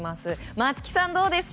松木さん、どうですか？